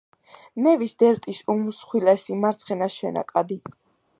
ნევის დელტის უმსხვილესი მარცხენა შენაკადი.